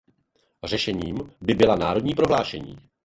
Řešením by byla národní prohlášení.